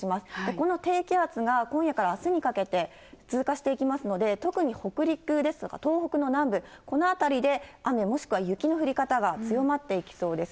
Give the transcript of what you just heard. この低気圧が今夜からあすにかけて通過していきますので、特に北陸ですとか東北の南部、この辺りで雨、もしくは雪の降り方が強まっていきそうです。